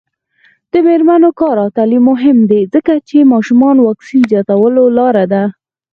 د میرمنو کار او تعلیم مهم دی ځکه چې ماشومانو واکسین زیاتولو لاره ده.